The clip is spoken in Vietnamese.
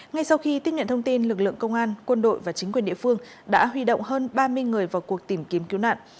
ngay sau khi tiếp nhận thông tin lực lượng công an quân đội và chính quyền địa phương đã huy động hơn ba mươi người vào cuộc tìm kiếm cứu nạn